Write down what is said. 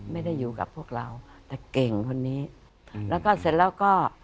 ไม่ได้อยู่กับพวกเราแต่เก่งคนนี้แล้วก็เสร็จแล้วก็